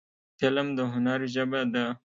فلم د هنر ژبه ده